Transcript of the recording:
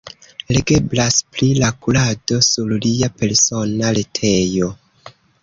Legeblas pri la kurado sur lia persona retejo.